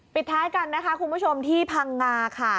ปิดท้ายกันนะคะคุณผู้ชมที่พังงาค่ะ